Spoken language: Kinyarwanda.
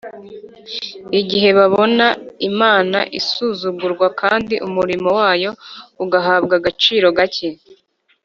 igihe babona imana isuzugurwa kandi umurimo wayo ugahabwa agaciro gake,